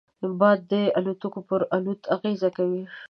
باد د الوتکو پر الوت اغېز کوي